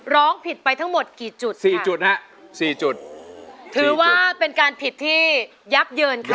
ร้องผิดไปทั้งหมดกี่จุดครับ